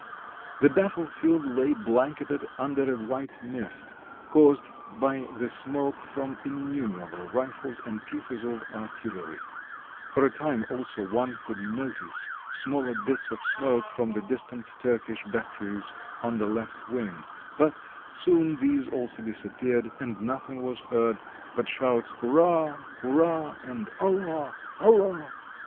The battle field lay blanketed under a white mist, caused by the smoke from innumerable rifles and pieces of artillery ; for a time also one could notice smaller bits of smoke from the distant Turkish batteries on the left wing, but soon these also disappeared, and nothing was heard but shouts: Hurrah, hurrah, and Allah, Allah!